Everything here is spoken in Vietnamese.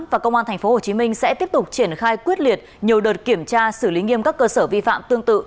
và công an tp hcm sẽ tiếp tục triển khai quyết liệt nhiều đợt kiểm tra xử lý nghiêm các cơ sở vi phạm tương tự